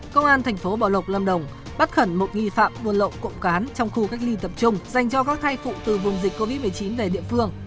công an tp hcm bắt khẩn một nghi phạm buôn lộn cộng cán trong khu cách ly tập trung dành cho các thai phụ từ vùng dịch covid một mươi chín về địa phương